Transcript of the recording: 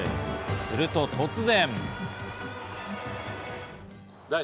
すると突然。